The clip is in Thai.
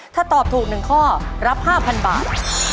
ถ้าตอบถูก๑ข้อรับ๕๐๐บาท